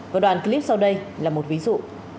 và đoàn clip sau đây là một ví dụ